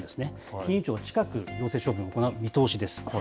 金融庁は近く、行政処分を行う見通しです。